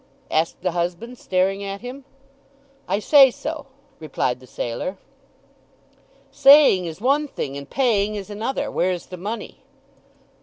asked the husband, staring at him. "I say so," replied the sailor. "Saying is one thing, and paying is another. Where's the money?"